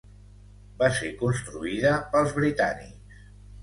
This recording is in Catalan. Va ser construïda pels britànics.